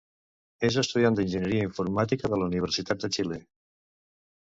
És estudiant d'enginyeria informàtica de la Universidad de Chile.